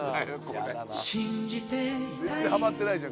これ・全然ハマってないじゃん